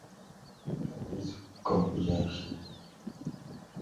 hauwezi kukavuja sheria halafu vyombo vika kuangalia tuko kusimamia sheria